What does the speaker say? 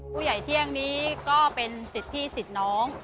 ผู้ใหญ่เที่ยงนี้ก็เป็นสิทธิ์พี่สิทธิ์น้อง